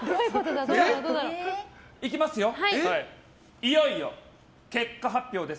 いよいよ結果発表です。